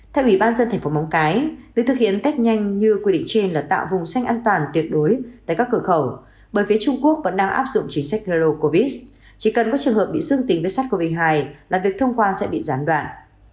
theo ủy ban dân thành phố mông cái việc thực hiện test nhanh như quy định trên là tạo vùng xanh an toàn tuyệt đối tại các cửa khẩu bởi phía trung quốc vẫn đang áp dụng chính sách covid một mươi chín chỉ cần có trường hợp bị xương tình với sars cov hai là việc thông qua sẽ bị gián đoạn